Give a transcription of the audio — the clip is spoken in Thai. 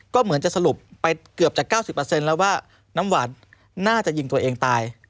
ก็เหมือนจะสรุปไปเกือบจาก๙๐แล้วว่าน้ำหวานน่าจะยิงตัวเองตาย